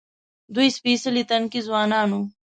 دوی سپېڅلي تنکي ځوانان وو.